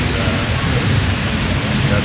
itu kan berasal dari bipang kata pak